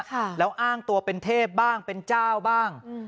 ค่ะแล้วอ้างตัวเป็นเทพบ้างเป็นเจ้าบ้างอืม